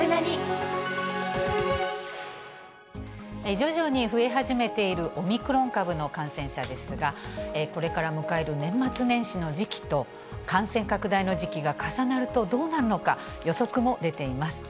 徐々に増え始めているオミクロン株の感染者ですが、これから迎える年末年始の時期と感染拡大の時期が重なるとどうなるのか、予測も出ています。